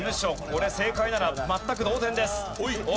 これ正解なら全く同点です。